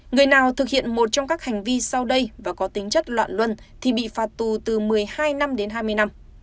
người nào thực hiện một trong các hành vi sau đây và có tính chất loạn luân thì bị phạt tù từ một mươi hai năm đến hai mươi năm